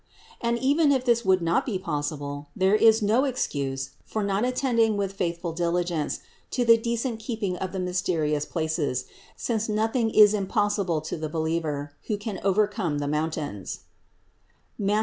And even if this would not be possible, there is no 488 CITY OF GOD excuse for not attending with faithful diligence to the decent keeping of the mysterious places; since nothing is impossible to the believer, who can overcome the moun tains (Matth.